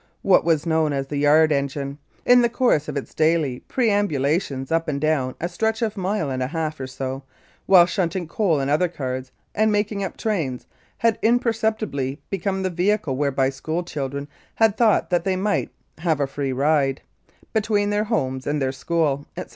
What was known as the "Yard engine," in the course of its daily peram bulations up and down a stretch of a mile and a half or so, while shunting coal and other cars, and making up trains, had imperceptibly become the vehicle whereby school children had thought that they might "have a free ride" between their homes and their school, etc.